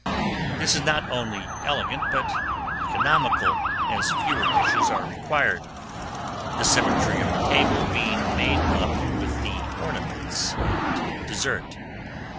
This is not only elegant but economical, as fewer dishes are required, the symmetry of the table being made up with the ornaments and dessert.